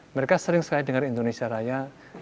mereka sering sekali dengar indonesia raya